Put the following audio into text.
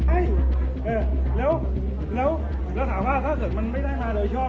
ไอ้เนี่ยแล้วแล้วมันไม่ได้มาเลยจริง